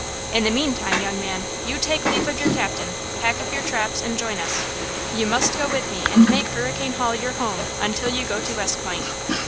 In the meantime, young man, you take leave of your captain, pack up your traps and join us. You must go with me and make Hurricane Hall your home until you go to West Point."